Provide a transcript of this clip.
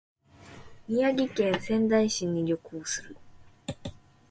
宮城県仙台市に旅行する